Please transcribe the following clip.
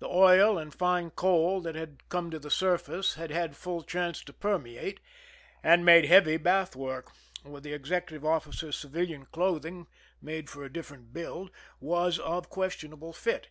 The oil and fine coal that had come to the surface had had full chance to permeate, and made heavy bath work, while the executive officer's civilian clothing, made for a different build, was of questionable fit.